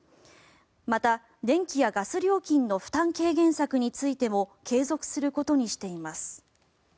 また、電気やガス料金の負担軽減策についても継続することにしています。